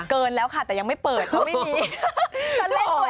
เกินแล้วค่ะแต่ยังไม่เปิดเพราะว่าไม่มี